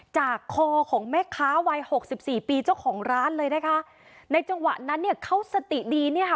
จากคอของแม่ค้าวัยหกสิบสี่ปีเจ้าของร้านเลยนะคะในจังหวะนั้นเนี่ยเขาสติดีเนี่ยค่ะ